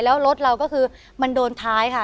แล้วรถเราก็คือมันโดนท้ายค่ะ